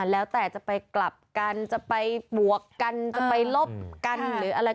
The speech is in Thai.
แล้วแต่จะไปกลับกันจะไปบวกกันจะไปลบกันหรืออะไร